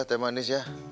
teh manis ya